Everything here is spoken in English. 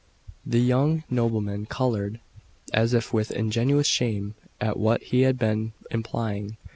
The young nobleman coloured, as if with ingenuous shame at what he had been implying.